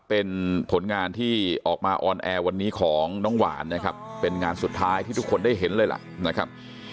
เป็นผลงานที่ออกมาออนแอร์วันนี้ของน้องหวานนะครับเป็นงานสุดท้ายที่ทุกคนได้เห็นเลยล่ะนะครับ